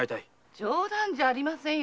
冗談じゃありませんよ。